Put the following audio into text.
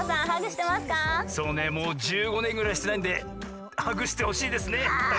そうねもう１５ねんぐらいしてないんでハグしてほしいですねた